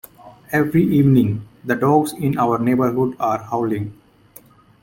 Every evening, the dogs in our neighbourhood are howling.